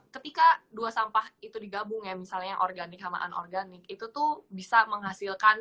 ketika dua sampah itu digabung ya misalnya organik sama anorganik itu tuh bisa menghasilkan